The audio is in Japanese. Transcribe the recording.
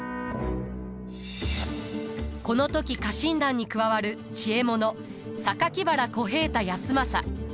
この時家臣団に加わる知恵者原小平太康政。